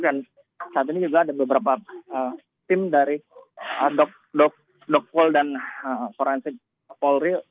dan saat ini juga ada beberapa tim dari dokpol dan forensik polri